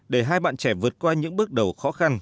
để hai bạn trẻ vượt qua những bước đầu khó khăn